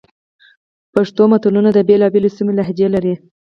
پښتو متلونه د بېلابېلو سیمو لهجې لري